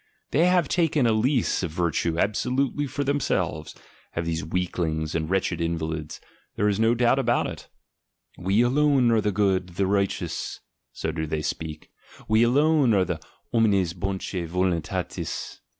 They have taken a lease of virtue absolutely for them selves, have these weaklings and wretched invalids, there is no doubt of it; "We alone are the good, the righteous," so do they speak, "we alone are the homines bonce volun tatis."